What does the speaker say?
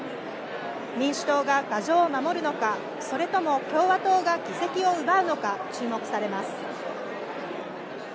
民主党が牙城を守るのかそれとも共和党が議席を奪うのか注目されます。